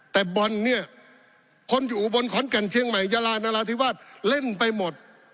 แต่บอลคนอยู่บนค้นกันเชียงใหม่ยาลานอราธิวัฒน์เล่นไปหมด